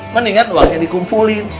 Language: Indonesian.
mendingan uangnya dikumpulin